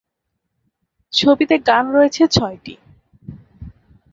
ছবিতে গান রয়েছে ছয়টি।